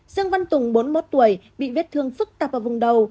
dương văn tùng bốn mươi một tuổi bị vết thương phức tạp ở vùng đầu